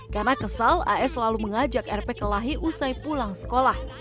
karena kesal as selalu mengajak rp kelahi usai pulang sekolah